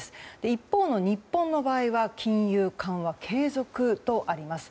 一方の日本の場合は金融緩和継続とあります。